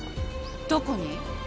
どこに？